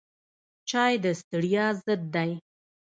چای د ستړیا ضد دی